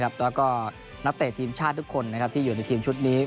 แล้วก็นักเตะทีมชาติทุกคนที่อยู่ในทีมชุดนี้